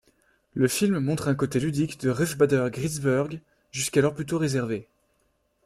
Le film montre un côté ludique de Ruth Bader Ginsburg jusqu'alors plutôt réservée.